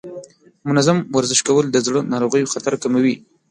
منظم ورزش کول د زړه ناروغیو خطر کموي.